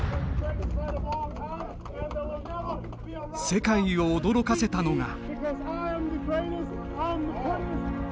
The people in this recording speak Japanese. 世界を驚かせたのが。